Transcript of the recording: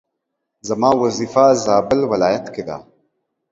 زما وظيفه زابل ولايت کي ده